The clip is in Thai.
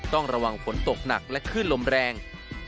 ต้องระวังฝนตกหนักและคลื่นลมแรง